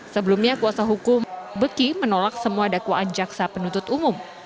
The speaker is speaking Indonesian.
sebelumnya kuasa hukum beki menolak semua dakwaan jaksa penuntut umum